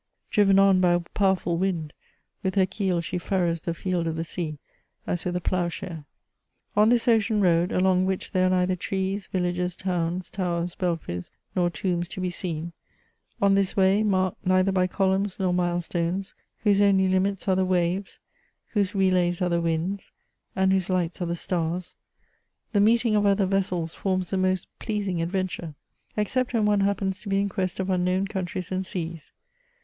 Driven on by a powerfiil wind, with ber keel she fiirrows the field of the sea, as with a ploughshare. On this ocean ioad, alons^ which there are neither trees, villages, towns, towers, belfhes, nor tombs to be seen ; on tbis way, marked neither by columns nor milestones^ — whose only Hmits are the waves — whose relays are the winds — and whose lights are the stars — the meeting <» other vessels forms the most pleasing adventure, except when one happens to be in quest of nnknown countries and seas.